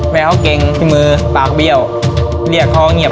แม่เขาเก่งที่มือปากเบี้ยวเรียกเขาเงียบ